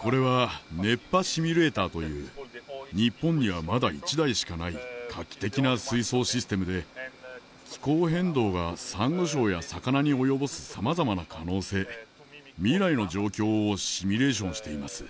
これは熱波シミュレーターという日本にはまだ１台しかない画期的な水槽システムで気候変動がサンゴ礁や魚に及ぼす様々な可能性未来の状況をシミュレーションしています。